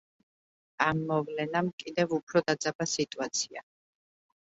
ამ მოვლენამ კიდევ უფრო დაძაბა სიტუაცია.